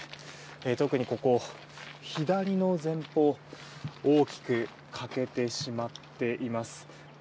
特にここ左の前方大きく欠けてしまっています。